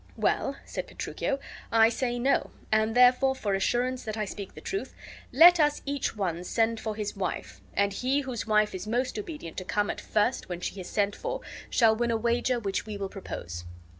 "Well," said Petruchio, "I say no, and therefore, for assurance that I speak the truth, let us each one send for his wife, and he whose wife is most obedient to come at first when she is sent for shall win a wager which we will propose."